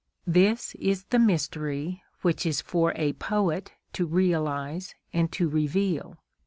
This is the mystery which is for a poet to realise and to reveal.